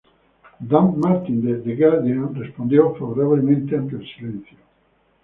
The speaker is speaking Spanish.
Dan Martin de "The Guardian" respondió favorablemente ante el Silencio.